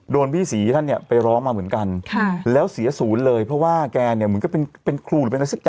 โดนพี่สีท่านเนี้ยไปร้องมาเหมือนกันแล้วเสียศูนย์เลยเพราะว่าแกเนี่ยเหมือนก็เป็นคลุคือเป็นอะไรสักอย่าง